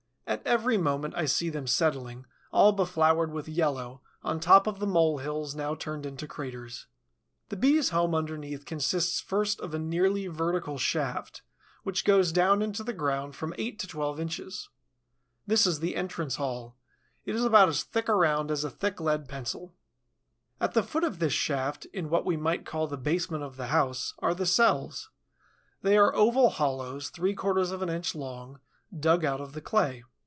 At every moment I see them settling, all befloured with yellow, on top of the mole hills now turned into craters. The Bee's home underneath consists first of a nearly vertical shaft, which goes down into the ground from eight to twelve inches. This is the entrance hall. It is about as thick around as a thick lead pencil. At the foot of this shaft, in what we might call the basement of the house, are the cells. They are oval hollows, three quarters of an inch long, dug out of the clay.